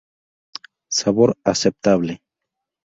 Sabor aceptable.